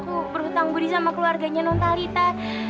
aku berhutang budi sama keluarganya nontalita